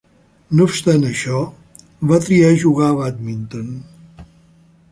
No obstant això, va triar jugar a bàdminton.